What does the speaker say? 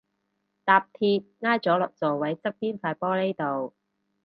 搭鐵挨咗落座位側邊塊玻璃度